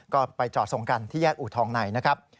ก็ไปจอดส่งกันที่แยกอูทองในนะครับ